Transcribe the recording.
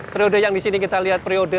periode yang di sini kita lihat periode di era